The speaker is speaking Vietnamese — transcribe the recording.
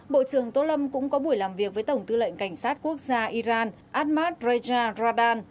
bộ trưởng tô lâm cũng có buổi làm việc với tổng tư lệnh cảnh sát quốc gia iran ahmad reja radan